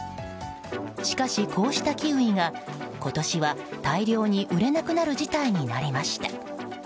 しかし、こうしたキウイが今年は大量に売れなくなる事態になりました。